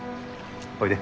おいで。